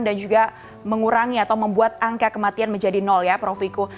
dan juga mengurangi atau membuat angka kematian menjadi nol ya prof wiku